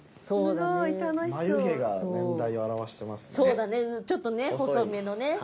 そうだねちょっとね細めのね。